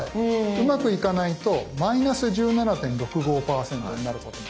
うまくいかないと「−１７．６５％」になることもある。